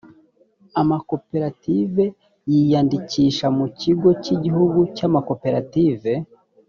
amakoperative yiyandikisha mu kigo cy’igihugu cy’amakoperative